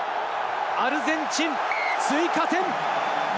アルゼンチン追加点！